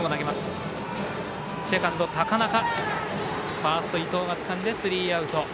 セカンド高中ファースト伊藤がつかんでスリーアウト。